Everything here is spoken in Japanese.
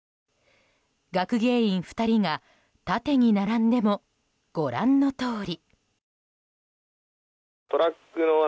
学芸員２人が縦に並んでもご覧のとおり。